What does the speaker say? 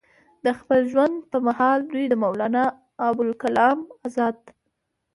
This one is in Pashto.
د خپل ژوند پۀ محال دوي د مولانا ابوالکلام ازاد